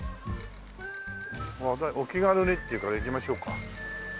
「お気軽に」っていうから行きましょうか。